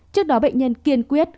trước đó bệnh nhân kiên quyết